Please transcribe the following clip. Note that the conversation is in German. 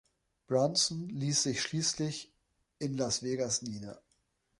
Brunson ließ sich schließlich in Las Vegas nieder.